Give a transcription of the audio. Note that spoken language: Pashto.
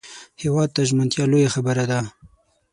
هېواد ته ژمنتیا لویه خبره ده